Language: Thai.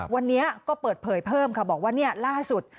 วันนี้ก็เปิดเผยเพิ่มค่ะบอกว่าล่าสุด